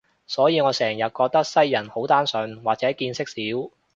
所以我成日覺得西人好單純，或者見識少